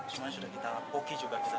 semuanya sudah kita pogi juga